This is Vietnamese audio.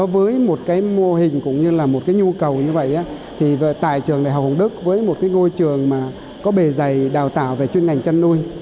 với một mô hình cũng như là một nhu cầu như vậy tại trường đại học hồng đức với một ngôi trường có bề dày đào tạo về chuyên ngành chăn nuôi